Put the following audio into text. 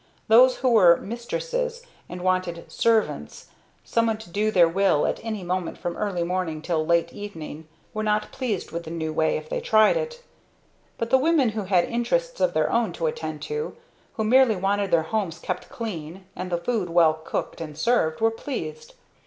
Those who were "mistresses," and wanted "servants," someone to do their will at any moment from early morning till late evening, were not pleased with the new way if they tried it; but the women who had interests of their own to attend to; who merely wanted their homes kept clean, and the food well cooked and served, were pleased.